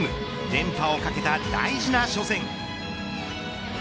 連覇をかけた大事な初戦。